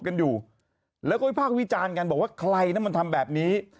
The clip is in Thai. กันอยู่แล้วก็วิพากษ์วิจารณ์กันบอกว่าใครนะมันทำแบบนี้